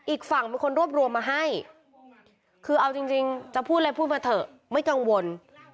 อีกฝั่งเป็นคนรวบรวมมาให้คือเอาจริงจะพูดอะไรพูดมาเถอะไม่กังวล